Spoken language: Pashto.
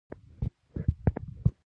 هغه وویل چې ورور یې پنځه ویشت کلن و.